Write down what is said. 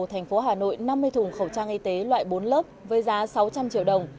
thành phố hà nội năm mươi thùng khẩu trang y tế loại bốn lớp với giá sáu trăm linh triệu đồng